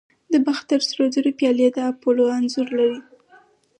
د باختر سرو زرو پیالې د اپولو انځور لري